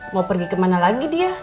mau pergi kemana lagi dia